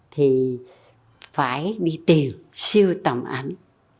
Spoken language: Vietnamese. thì phải đi tìm sưu tầm ảnh